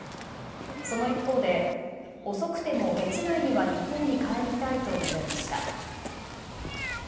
その一方で、遅くても月内には日本に帰りたいと述べました。